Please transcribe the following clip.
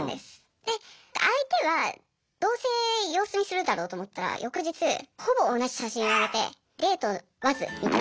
で相手はどうせ様子見するだろうと思ったら翌日ほぼ同じ写真上げて「デートわず」みたいな。